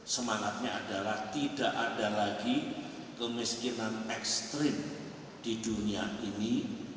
semangatnya adalah tidak ada lagi kemiskinan ekstrim di dunia ini